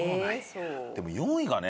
でも４位がね